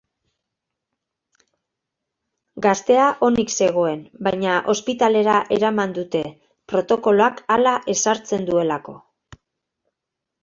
Gaztea onik zegoen, baina ospitalera eraman dute, protokoloak hala ezartzen duelako.